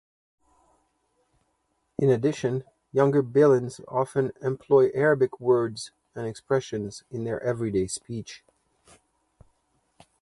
In addition, younger Bilen often employ Arabic words and expressions in their everyday speech.